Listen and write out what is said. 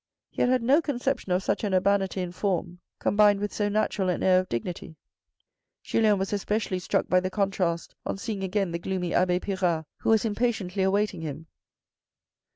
He had had no conception of such an urbanity in form combined with so natural an air of dignity. Julien was especially struck by the contrast on seeing again the gloomy abbe Pirard, who was impatiently awaiting him.